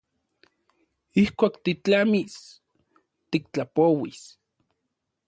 Ijkuak titlamis tiktlapouis.